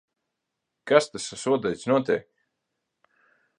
Kas te, sasodīts, notiek?